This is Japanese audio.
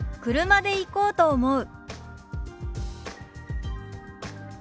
「車で行こうと思う」。